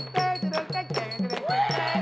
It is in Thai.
พ่อเอกรำมา